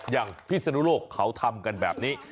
อย่างพิสณุรกเขาทำกันแบบนี้